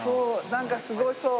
なんかすごそう。